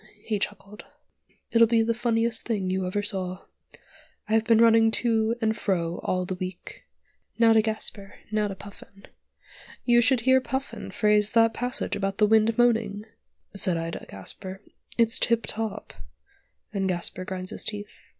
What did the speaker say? he chuckled, "it'll be the funniest thing you ever saw. I've been running to and fro all the week. Now to Gasper, now to Puffin. 'You should hear Puffin phrase that passage about the 'wind moaning,' said I to Gasper, 'it's tiptop,' and Gasper grinds his teeth.